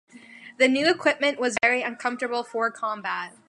This new equipment was very uncomfortable for combat.